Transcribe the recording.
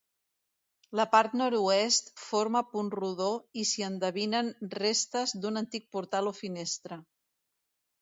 La part nord-oest forma punt rodó i s'hi endevinen restes d'un antic portal o finestra.